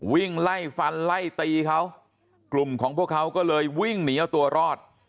วิ่งไล่ฟันไล่ตีเขากลุ่มของพวกเขาก็เลยวิ่งหนีเอาตัวรอด